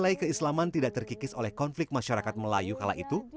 nilai keislaman tidak terkikis oleh konflik masyarakat melayu kala itu